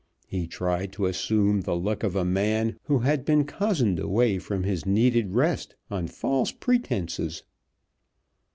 He tried to assume the look of a man who had been cozened away from his needed rest on false pretences.